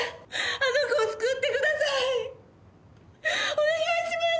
お願いします！